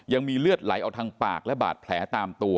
ยังมีเลือดไหลออกทางปากและบาดแผลตามตัว